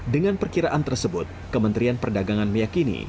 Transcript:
dengan perkiraan tersebut kementerian perdagangan meyakini